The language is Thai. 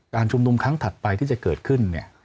ชุมนุมครั้งถัดไปที่จะเกิดขึ้นเนี่ย